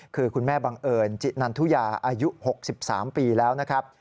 คือคุณแม่บังเอิญจินันทุยาอายุ๖๓ปีแล้วนะครับ